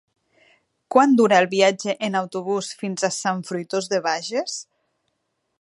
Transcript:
Quant dura el viatge en autobús fins a Sant Fruitós de Bages?